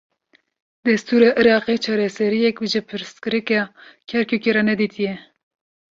Destûra Iraqê, çareseriyek ji pirsgirêka Kerkûkê re nedîtiye